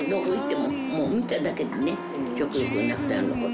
もう見ただけでね、食欲がなくなるの。